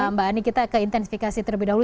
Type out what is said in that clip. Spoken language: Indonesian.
mbak ani kita ke intensifikasi terlebih dahulu